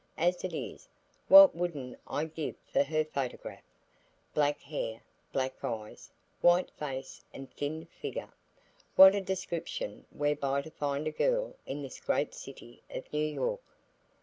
As it is, what would'nt I give for her photograph. Black hair, black eyes, white face and thin figure! what a description whereby to find a girl in this great city of New York.